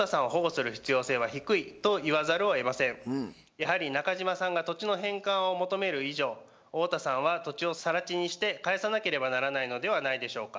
やはり中島さんが土地の返還を求める以上太田さんは土地を更地にして返さなければならないのではないでしょうか。